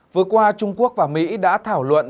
vừa qua trung quốc và mỹ đã thảo luận